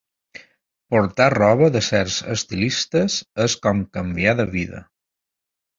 Portar roba de certs estilistes és com canviar de vida.